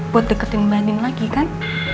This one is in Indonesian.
buat deketin mbak andin lagi kan